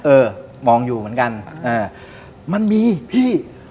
เออมองอยู่เหมือนกันอ่ามันมีพี่